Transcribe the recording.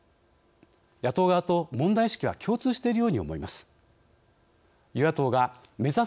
野党側と問題意識は共通しているように思います。